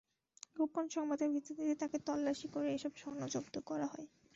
গোপন সংবাদের ভিত্তিতে তাঁকে তল্লাশি করে এসব স্বর্ণ জব্দ করা হয়।